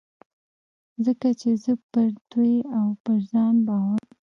ځکه چې زه به پر دوی او پر ځان باور ولرم.